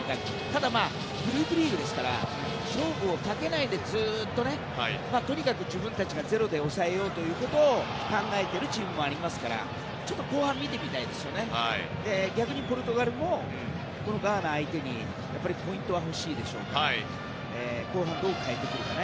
ただ、グループリーグですから勝負をかけないでずっととにかく自分たちがゼロで抑えようということを考えているチームもありますからちょっと後半を見てみたいし逆にポルトガルもガーナ相手にポイントは欲しいでしょうから後半、どう変えてくるか。